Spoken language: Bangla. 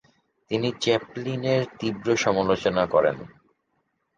তিনি চ্যাপলিনের তীব্র সমালোচনা করেন।